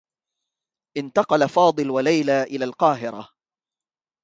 انتقل فاضل و ليلى إلى القاهرة.